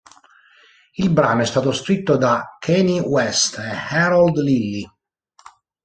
Il brano è stato scritto da Kanye West e Harold Lilly.